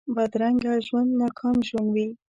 بدرنګه ژوند ناکام ژوند وي